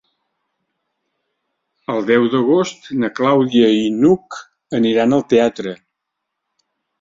El deu d'agost na Clàudia i n'Hug aniran al teatre.